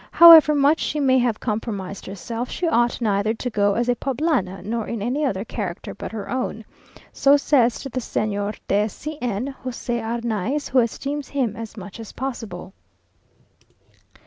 However much she may have compromised herself, she ought neither to go as a Poblana, nor in any other character but her own. So says to the Señor de C n, José Arnaiz, who esteems him as much as possible."